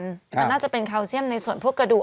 มันน่าจะเป็นคาวเซียมในส่วนพวกกระดูก